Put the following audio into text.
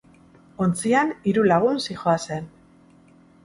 Ontzian hiru lagun zihoazen.